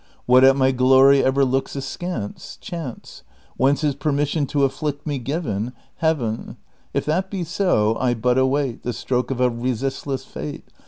What at my glory ever looks askance ? Chance. Whence is permission to afflict me given ? Heaven. If that be so, I but await The stroke of a resistless fate.